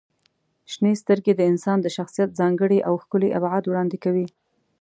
• شنې سترګې د انسان د شخصیت ځانګړی او ښکلی ابعاد وړاندې کوي.